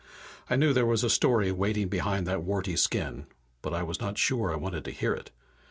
I knew there was a story waiting behind that warty skin, but I was not sure I wanted to hear it.